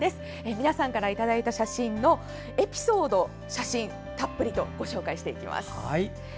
皆さんからいただいた写真やエピソードをたっぷりご紹介していきます。